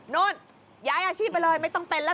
นู่นย้ายอาชีพไปเลยไม่ต้องเป็นแล้ว